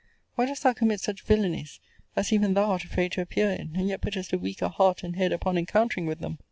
Why dost thou commit such villanies, as even thou art afraid to appear in; and yet puttest a weaker heart and head upon encountering with them?